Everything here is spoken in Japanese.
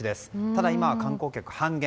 ただ、今は観光客半減。